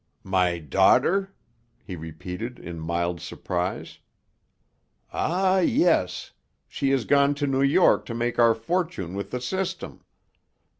"My daughter," he repeated in mild surprise. "Ah, yes; she has gone to New York to make our fortune with the system.